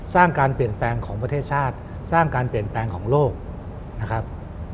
การเปลี่ยนแปลงของประเทศชาติสร้างการเปลี่ยนแปลงของโลกนะครับ